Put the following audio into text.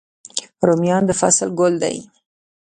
رومیان د فصل ګل دی